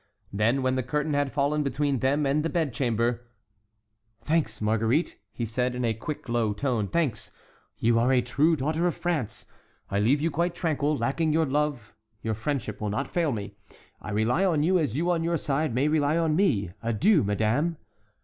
Then, when the curtain had fallen between them and the bedchamber: "Thanks, Marguerite," he said, in a quick low tone, "thanks! You are a true daughter of France. I leave you quite tranquil: lacking your love, your friendship will not fail me. I rely on you, as you, on your side, may rely on me. Adieu, madame."